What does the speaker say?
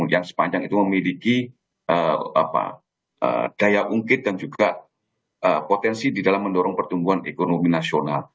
yang sepanjang itu memiliki daya ungkit dan juga potensi di dalam mendorong pertumbuhan ekonomi nasional